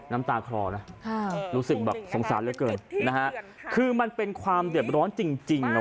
น้ำตาคลอนะรู้สึกแบบสงสารเหลือเกินนะฮะคือมันเป็นความเดือดร้อนจริงนะ